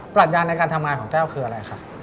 รัชญาในการทำงานของแต้วคืออะไรครับ